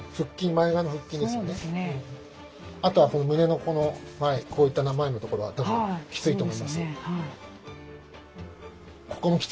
あとは胸の前こういった前のところはたぶんきついと思います。